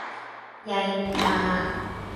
ไย นินทา.